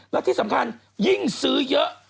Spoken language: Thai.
และที่สำคัญยิ่งซื้อเยอะ